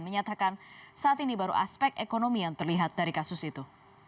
menyatakan saat ini baru aspek ekonomi yang terlihat dari kasus itu